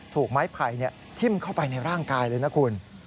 ถูกไม้ไผ่ทิ้มเข้าไปในร่างกายเลยนะคุณ